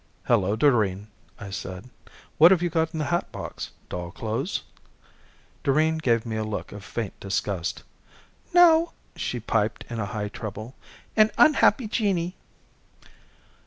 "Hello, Doreen," I said. "What have you in the hatbox? Doll clothes?" Doreen gave me a look of faint disgust. "No," she piped, in a high treble. "An unhappy genii."